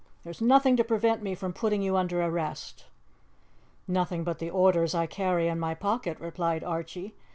There is nothing to prevent me from putting you under arrest." "Nothing but the orders I carry in my pocket," replied Archie.